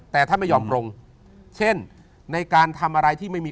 แต่ท่านไม่ยอมปรงเช่นในการทำอะไรที่ไม่มี